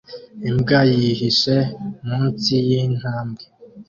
Imbwa yihishe munsi yintambwe